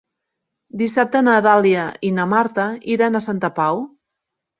Dissabte na Dàlia i na Marta iran a Santa Pau.